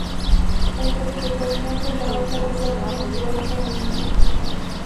La interpretación de la obra dura unos cuarenta minutos.